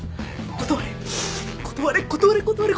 断れ断れ断れ断れ。